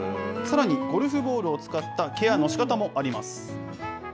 さらにゴルフボールを使ったケアのしかたもあります。